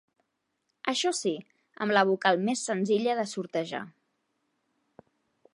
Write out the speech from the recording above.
Això sí, amb la vocal més senzilla de sortejar.